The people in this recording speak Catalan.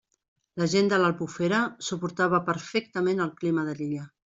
La gent de l'Albufera suportava perfectament el clima de l'illa.